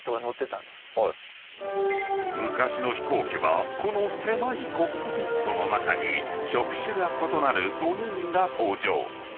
［昔の飛行機はこの狭いコックピットの中に職種が異なる５人が搭乗］